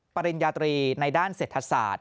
ปริญญาตรีในด้านเศรษฐศาสตร์